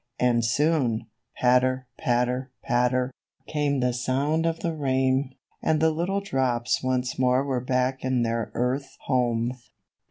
'^ And soon, patter, patter, patter, came the sound of the rain, and the little drops once more were back in their earth home.